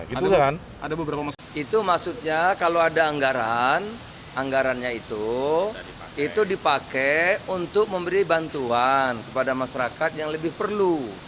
nah itu maksudnya kalau ada anggaran anggarannya itu itu dipakai untuk memberi bantuan kepada masyarakat yang lebih perlu